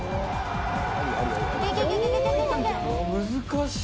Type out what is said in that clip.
難しい。